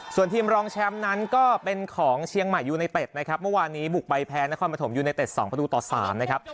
ส่วนทีมรองแชมป์นั้นก็เป็นของเชียงใหม่ยูไนเต็ดนะครับเมื่อวานนี้บุกไปแพ้นครปฐมยูเนเต็ดสองประตูต่อ๓นะครับ